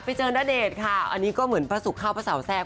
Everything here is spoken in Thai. ไปเจอณเดชน์ค่ะอันนี้ก็เหมือนพระสุขเข้าพระสาวแทรก